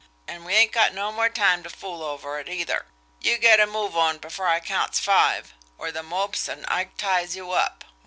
"An' we ain't got no more time ter fool over it, either. You get a move on before I counts five, or The Mope an' Ike ties you up!